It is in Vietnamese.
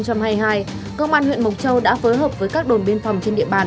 công an huyện mộc châu đã phối hợp với các đồn biên phòng trên địa bàn